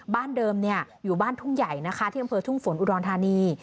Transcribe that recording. บ้านเดิมอยู่บ้านทุ่งใหญ่ที่บ้านทุ่งฝนอุดรณฑานี